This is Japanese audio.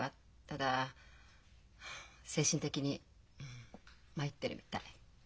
ただ精神的に参ってるみたい。